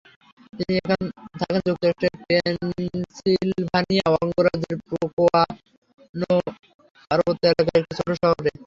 তিনি এখন থাকেন যুক্তরাষ্ট্রের পেনসিলভানিয়া অঙ্গরাজ্যের পোকোনো পার্বত্য এলাকার একটি ছোট শহরে।